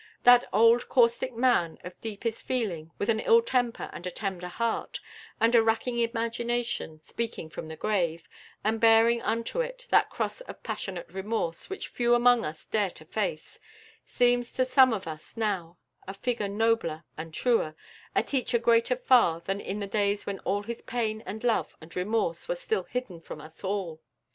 That old caustic man of deepest feeling, with an ill temper and a tender heart, and a racking imagination, speaking from the grave, and bearing unto it that cross of passionate remorse which few among us dare to face, seems to some of us now a figure nobler and truer, a teacher greater far than in the days when all his pain and love and remorse were still hidden from us all."